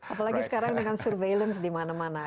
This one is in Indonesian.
apalagi sekarang dengan surveillance di mana mana